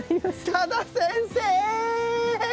多田先生！